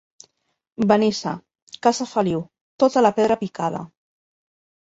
Benissa, casa Feliu, tota la pedra picada.